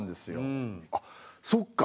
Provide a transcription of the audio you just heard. あっそっか。